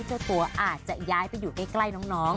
เจ้าตัวอาจจะย้ายไปอยู่ใกล้น้อง